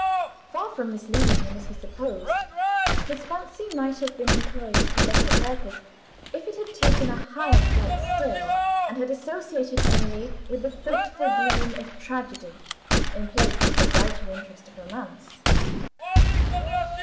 Far from misleading him, as he supposed, his fancy might have been employed to better purpose, if it had taken a higher flight still and had associated Emily with the fateful gloom of tragedy, in place of the brighter interest of romance.